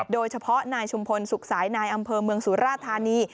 โดยเฉพาะนายชุมพลสุขสายนายอำเภอเมืองสุราธานี